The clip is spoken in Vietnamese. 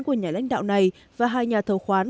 của nhà lãnh đạo này và hai nhà thầu khoán